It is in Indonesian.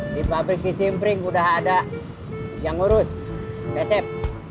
di pabrik kisimpring udah ada yang ngurus cecep